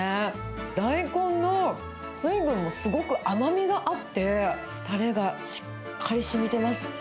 大根の水分もすごく甘みがあって、たれがしっかりしみてます。